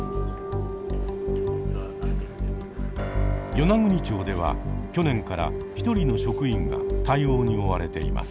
与那国町では去年から一人の職員が対応に追われています。